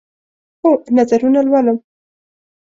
هو، نظرونه لولم